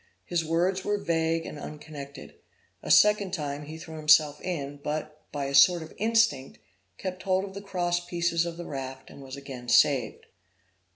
His words were vague and unconnected. A second time he threw himself in, but, by a sort of instinct, kept hold of the cross pieces of the raft, and was again saved.